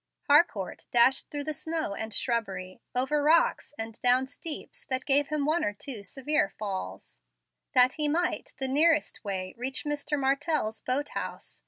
Harcourt dashed through the snow and shrubbery, over rocks and down steeps that gave him one or two severe falls, that he might, the nearest way, reach Mr. Martell's boat house.